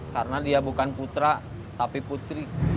karena dia bukan putra tapi putri